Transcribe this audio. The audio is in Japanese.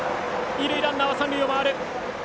二塁ランナーは三塁へ回る。